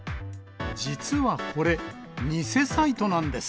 実はこれ、偽サイトなんです。